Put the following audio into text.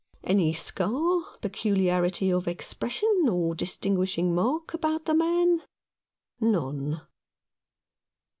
Any scar, peculiarity of expression, or distin guishing mark about the man ? None.